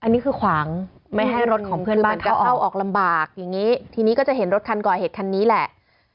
อันนี้คือขวางไม่ให้รถของเพื่อนบ้านจะเข้าออกลำบากอย่างนี้ทีนี้ก็จะเห็นรถคันก่อเหตุคันนี้แหละ